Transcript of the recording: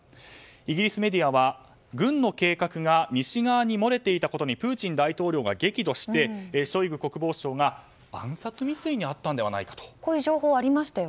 イギリスメディアは軍の計画が西側に漏れていたことにプーチン大統領が激怒してショイグ国防相が暗殺未遂にあったのではないかと。